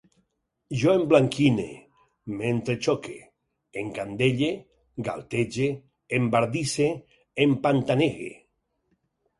Jo emblanquine, m'entrexoque, encadelle, galtege, embardisse, empantanegue